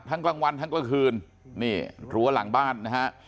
ทั้งกลางวันทั้งเมื่อคืนนี่รั้วหลังบ้านนะฮะ